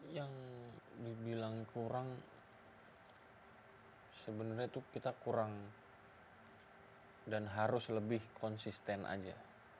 yang dibilang kurang sebenarnya itu kita kurang dan harus lebih konsisten aja